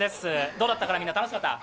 どうだったかな、みんな楽しかった？